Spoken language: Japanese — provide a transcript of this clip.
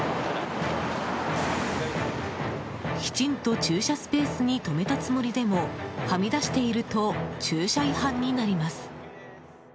きちんと駐車スペースに止めたつもりでもはみ出していると駐車違反になります。